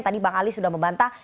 tadi bang ali sudah membantah